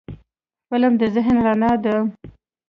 فلم د ذهن رڼا ده